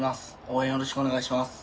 応援よろしくお願いします。